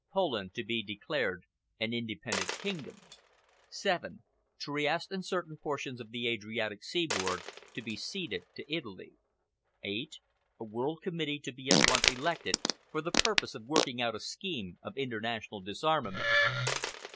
Poland to be declared an independent kingdom. 7. Trieste and certain portions of the Adriatic seaboard to be ceded to Italy. 8. A world committee to be at once elected for the purpose of working out a scheme of international disarmament.